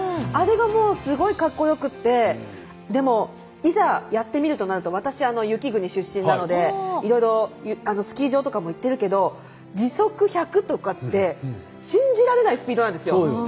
あれが、すごいかっこよくてでも、いざやってみるとなると私雪国出身なので、スキー場とかも行ってるけど時速１００とかって信じられないスピードなんですよ。